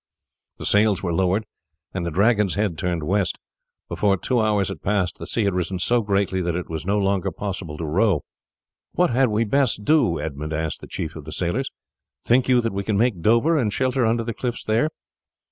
The sails were lowered, and the Dragon's head turned west. Before two hours had passed the sea had risen so greatly that it was no longer possible to row. "What had we best do?" Edmund asked the chief of the sailors. "Think you that we can make Dover and shelter under the cliffs there?"